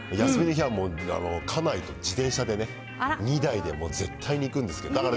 休みの日は家内と自転車でね、２台で絶対に行くんですけど。